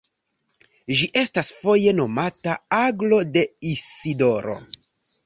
Ĝi estas foje nomata Aglo de Isidoro.